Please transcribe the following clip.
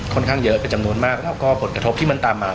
ค่อนข้างเยอะเป็นจำนวนมากแล้วก็ผลกระทบที่มันตามมา